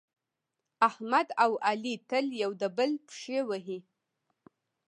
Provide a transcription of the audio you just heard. احمد او علي تل یو د بل پښې وهي.